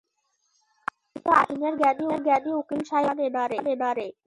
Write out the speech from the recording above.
আপনি তো আইনের জ্ঞানি উকিল সাহেব, বুঝান এনারে।